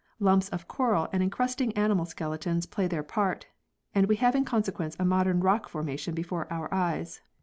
Lumps of coral and encrusting animal skeletons play their part, and we have in consequence a modern rock formation before our eyes.